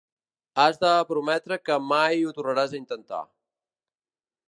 Has de prometre que mai ho tornaràs a intentar